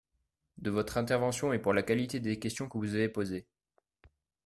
de votre intervention et pour la qualité des questions que vous avez posées.